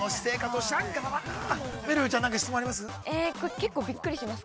◆めるるちゃん、なんか質問あります？